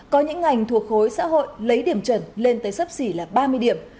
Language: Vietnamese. có những ngành thuộc khối xã hội lấy điểm chuẩn lên tới sấp xỉ là ba mươi điểm